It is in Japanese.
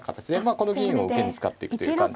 この銀を受けに使っていくという感じ。